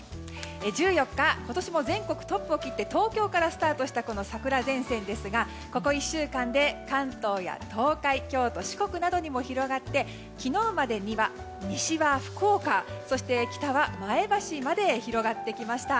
１４日今年も全国トップを切って東京からスタートしたこの桜前線ですがここ１週間で関東や東海京都、四国などにも広がって昨日までには西は福岡そして北は前橋まで広がってきました。